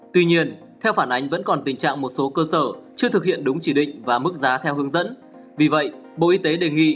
tuy nhiên theo phản ánh vẫn còn tình trạng một số cơ sở chưa thực hiện đúng chỉ định và mức giá theo hướng dẫn